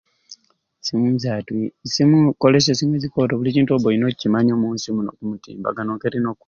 Simu zatwi simu okolesya esimu ezikoto buli kintu oba oyina okimanya omunsi muni omutimbagano engeri noki.